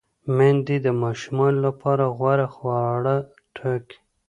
میندې د ماشومانو لپاره غوره خواړه ټاکي۔